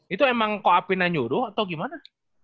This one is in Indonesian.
itu emang koapinnya nyuruh atau gimana